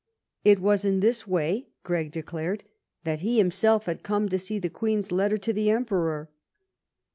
It was in this way, Gregg declared, that he himself had come to see the Queen's letter to the Emperor.